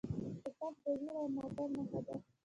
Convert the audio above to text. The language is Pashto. توپک د ویر او ماتم نښه ده.